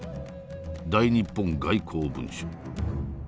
「大日本外交文書」。